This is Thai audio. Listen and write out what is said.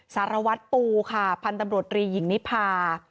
สารวัตรปูพันธบรตรีหญิงนิพา